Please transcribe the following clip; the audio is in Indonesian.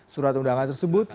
surat undangan tersebut